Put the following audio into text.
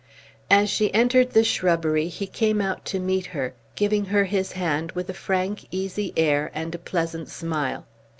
As she entered the shrubbery he came out to meet her, giving her his hand with a frank, easy air and a pleasant smile.